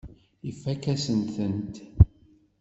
Ifakk-asen-tent.